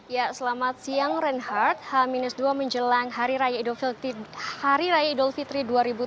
ya selamat siang reinhardt h dua menjelang hari raya idul fitri dua ribu tujuh belas